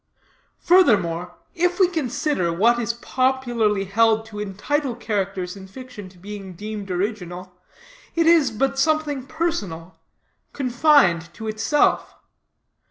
Furthermore, if we consider, what is popularly held to entitle characters in fiction to being deemed original, is but something personal confined to itself.